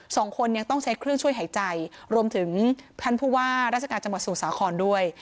สองคนยังต้องใช้เครื่องช่วยหายใจรวมถึงท่านผู้ว่าราชการจังหวัดสมุทรสาครด้วย